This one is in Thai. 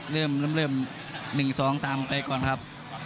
เริ่มเริ่มเริ่มเริ่ม๑๒๓ไปก่อนครับ